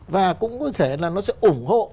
và cũng có thể là nó sẽ ủng hộ